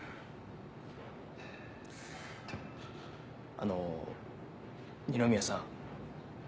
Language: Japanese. あの二宮さん。